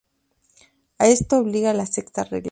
A esto obliga la sexta regla.